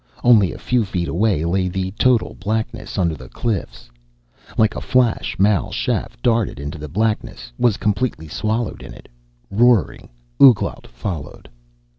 Only a few feet away lay the total blackness under the cliffs. Like a flash Mal Shaff darted into the blackness, was completely swallowed in it. Roaring, Ouglat followed.